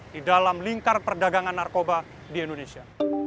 di dalam lingkar perdagangan narkoba di indonesia